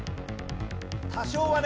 多少はね。